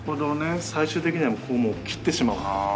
最終的にはここを切ってしまおう。